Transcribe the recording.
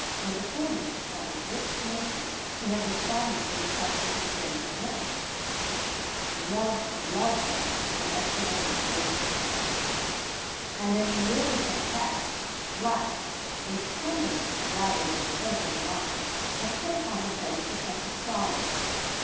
With the fullness of a rich nature she had responded to the touch of the spirit of living. Love loved her for what she had been able to take. And in the year which had passed, life, with tender rather than defacing lines, had put upon her face the touch of sorrow.